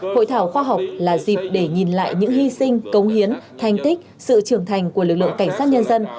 hội thảo khoa học là dịp để nhìn lại những hy sinh công hiến thành tích sự trưởng thành của lực lượng cảnh sát nhân dân